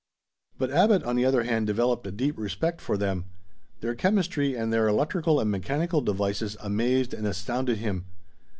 But Abbot on the other hand developed a deep respect for them. Their chemistry and their electrical and mechanical devices amazed and astounded him.